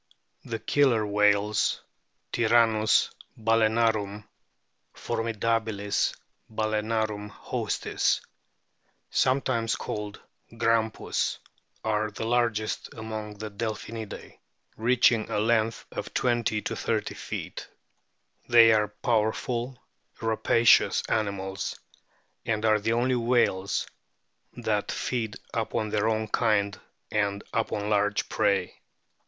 The Killer whales (" Tyrannus balaenarum," " For midabilis balsenarum hostis "), sometimes called "Grampus,"t are the largest among the Delphinidae, reaching a length of 20 30 feet. They are power ful, rapacious animals, and are the only whales that feed upon their own kind and upon large prey.